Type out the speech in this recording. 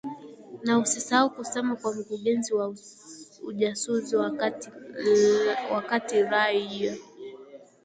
Na usisahau kusema na Mkurugenzi wa Ujasusi wa Kati Rayya